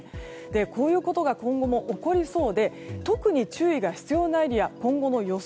こういうことが今後も起こりそうで特に注意が必要なエリア今後の予想